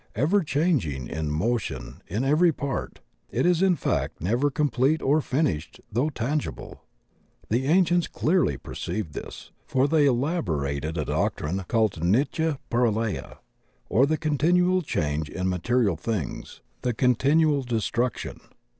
Ever changing, in mo tion in every part, it is in fact never complete or fin ished though tangible. The ancients clearly perceived this, for they elaborated a doctrine called Nitya Pralaya, or the continual change in material things, the continual destruction.